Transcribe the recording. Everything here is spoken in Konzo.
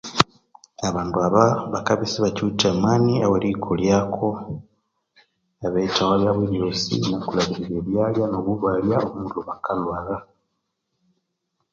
Abandu aba bakabya isibakyiwithe amani aweriyikolyako ebiyithawa byabo ebyosi, nakulhabirirya ebyalya nobubalya omughulhu bakalhwalha.